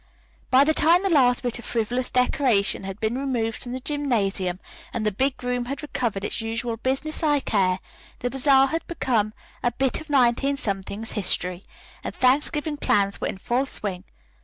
By the time the last bit of frivolous decoration had been removed from the gymnasium, and the big room had recovered its usual business like air, the bazaar had become a bit of 19 's history, and Thanksgiving plans were in full swing.